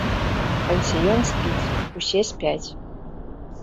Пансіён спіць, усе спяць.